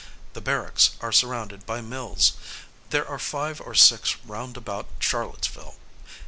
The barracks are surrounded by mills. There are five or six round about Charlottesville.